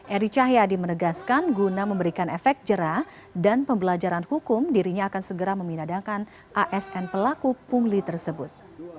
eri cahyadi menegaskan guna memberikan efek jerah dan pembelajaran hukum dirinya akan segera meminadakan asn pelaku pungli tersebut